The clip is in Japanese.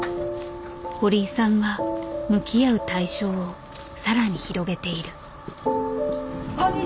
堀井さんは向き合う対象を更に広げている。